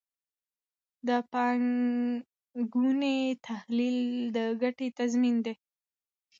د پانګونې تحلیل د ګټې تضمین دی.